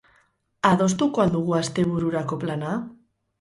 Adostuko al dugu astebururako plana?